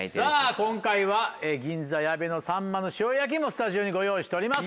今回は銀座矢部のサンマの塩焼きもスタジオにご用意しております。